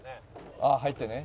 「ああ入ってね」